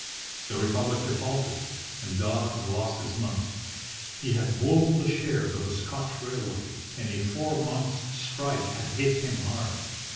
The Republic defaulted, and Dodds lost his money. He had bulled the shares of a Scotch railway, and a four months' strike had hit him hard.